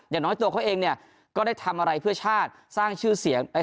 อย่างน้อยตัวเขาเองเนี่ยก็ได้ทำอะไรเพื่อชาติ